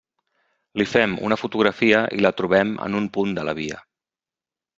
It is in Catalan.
Li fem una fotografia i la trobem en un punt de la via.